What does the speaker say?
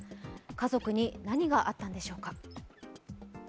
家族に何があったんでしょうか。